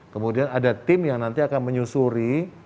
kemudian ada tim yang nanti akan menyusuri